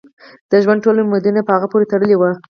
د ژوند ټول امیدونه یې په هغه پورې تړلي وو.